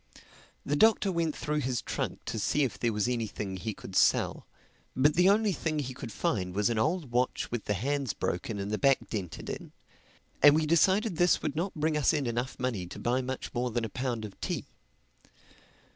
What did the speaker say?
The Doctor went through his trunk to see if there was anything he could sell. But the only thing he could find was an old watch with the hands broken and the back dented in; and we decided this would not bring us in enough money to buy much more than a pound of tea.